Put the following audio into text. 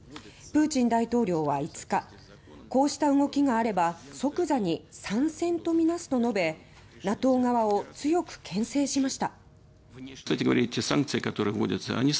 プーチン大統領は５日「こうした動きがあれば即座に参戦とみなす」と述べＮＡＴＯ側を強くけん制しました。